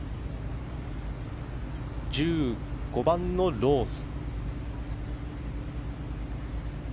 １５番のローズ。